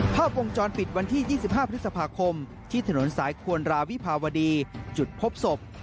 ภาพวงจรปิดวันที่๒๕พฤษภาคมที่ถนนสายควรราวิภาวดีจุดพบศพ